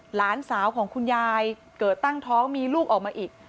หลานสาวของคุณยายเกิดตั้งท้องมีลูกออกมาอีก